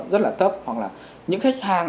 rất là thấp hoặc là những khách hàng